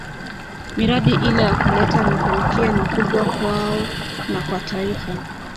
miradi ile na kuleta mafanikia makubwa kwao na kwa taifa